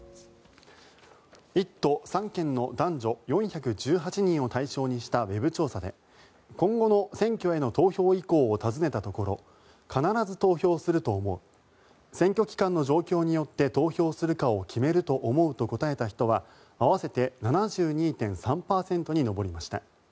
１都３県の男女４１８人を対象にしたウェブ調査で今後の選挙への投票意向を尋ねたところ必ず投票すると思う選挙期間の状況によって投票するかを決めると思うと答えた人は合わせて７２．３％に上りました。